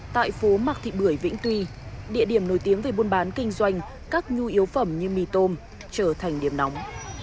tại phố mạc thị bưởi vĩnh tuy địa điểm nổi tiếng về buôn bán kinh doanh các nhu yếu phẩm như mì tôm trở thành điểm nóng